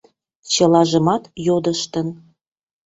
Чылажымат йодыштын...